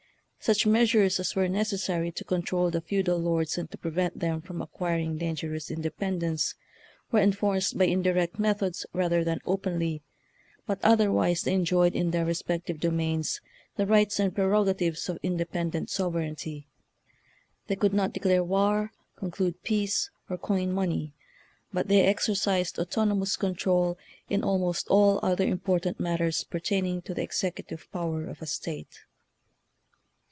Such measures as were necessary to control the feudal lords and to prevent them from acquiring dan gerous independence were enforced by indirect methods rather than openly, but otherwise they enjoyed in their respec tive domains the rights and prerogatives of independent sovereignty. They could not declare war, conclude peace, or coin money, but they exercised autonomous control in almost all other important matters pertaining to the executive power of a state.